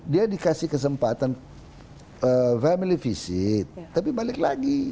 dia dikasih kesempatan family visit tapi balik lagi